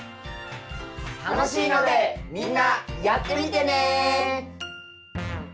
楽しいのでみんなやってみてね！